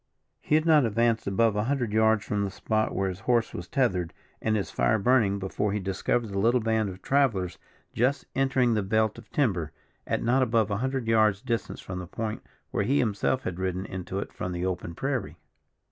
He had not advanced above a hundred yards from the spot where his horse was tethered and his fire burning, before he discovered the little band of travellers just entering the belt of timber, at not above a hundred yards distance from the point where he himself had ridden into it from the open prairie.